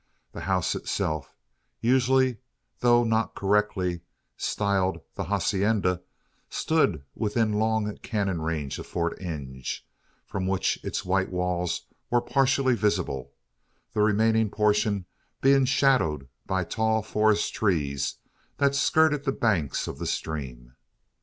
The house itself usually, though not correctly, styled the hacienda stood within long cannon range of Fort Inge; from which its white walls were partially visible; the remaining portion being shadowed by tall forest trees that skirted the banks of the stream.